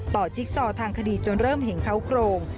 จิ๊กซอทางคดีจนเริ่มเห็นเขาโครง